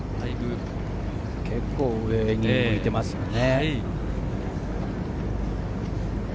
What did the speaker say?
結構、上に向いていますね。